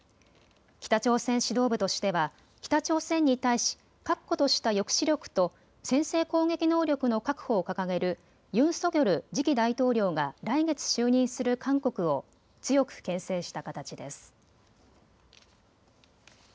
北朝鮮指導部としては北朝鮮に対し確固とした抑止力と先制攻撃能力の確保を掲げるユン・ソギョル次期大統領が来月就任する韓国を強くけん制した形です。